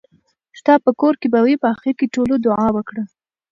ستاپه کور کې به وي. په اخېر کې ټولو دعا وکړه .